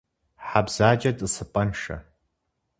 Хьэ бзаджэ тӏысыпӏэншэ.